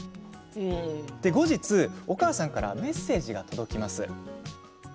後日、お母さんからメッセージが届くんですね。